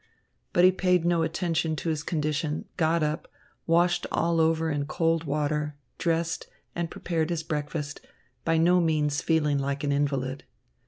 But he paid no attention to his condition, got up, washed all over in cold water, dressed, and prepared his breakfast, by no means feeling like an invalid.